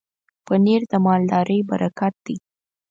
پنېر د مالدارۍ برکت دی.